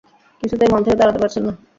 কিছুতেই মন থেকে তাড়াতে পারছেন না।